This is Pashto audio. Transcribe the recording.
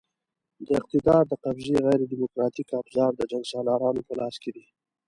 د اقتدار د قبضې غیر دیموکراتیک ابزار د جنګسالارانو په لاس کې دي.